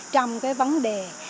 trong cái vấn đề